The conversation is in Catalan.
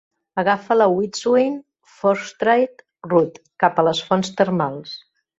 Agafa la Whiteswan Forestry Road cap a les fonts termals.